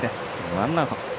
ワンアウト。